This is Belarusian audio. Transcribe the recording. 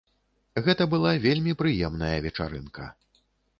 Гэта была вельмі прыемная вечарынка.